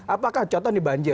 apakah contohnya di banjir